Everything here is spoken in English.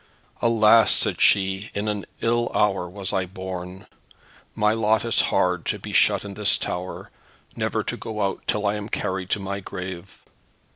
"Alas," said she, "in an ill hour was I born. My lot is hard to be shut in this tower, never to go out till I am carried to my grave.